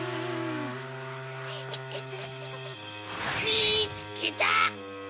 みつけた！